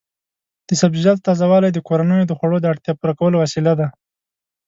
د سبزیجاتو تازه والي د کورنیو د خوړو د اړتیا پوره کولو وسیله ده.